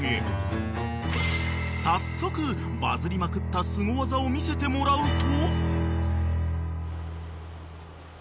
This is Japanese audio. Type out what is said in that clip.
［早速バズりまくったスゴ技を見せてもらうと］